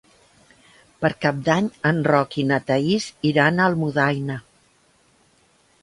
Per Cap d'Any en Roc i na Thaís iran a Almudaina.